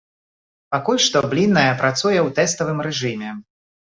Пакуль што блінная працуе ў тэставым рэжыме.